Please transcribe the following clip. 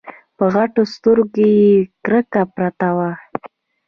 په غټو سترګو کې يې کرکه پرته وه.